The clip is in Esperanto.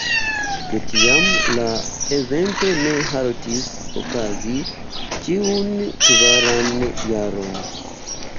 De tiam, la evento ne haltis okazi ĉiun kvaran jaron.